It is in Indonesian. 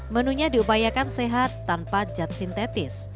menunya diupayakan sehat tanpa jat sintetis